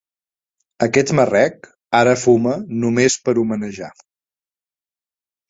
Aquest marrec, ara fuma només per homenejar.